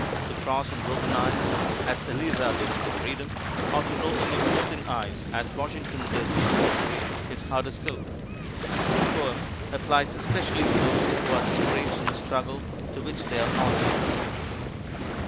To cross on broken ice, as Eliza did to freedom, or to row amid floating ice, as Washington did to victory, is harder still. This poem applies especially to those who are discouraged in a struggle to which they are already committed.